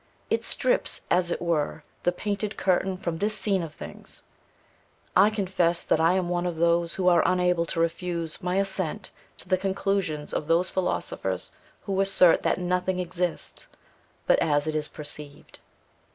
It strips, as it were, the painted curtain from this scene of things. I confess that I am one of those who are unable to refuse my assent to the conclusions of those philosophers who assert that nothing exists but as it is perceived.